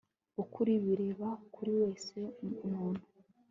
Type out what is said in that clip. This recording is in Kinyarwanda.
ukuri bireba buri wese umuntu